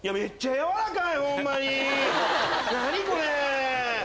何これ！